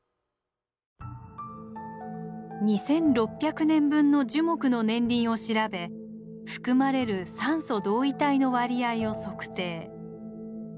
２，６００年分の樹木の年輪を調べ含まれる酸素同位体の割合を測定。